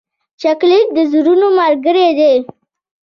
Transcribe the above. چاکلېټ د زړونو ملګری دی.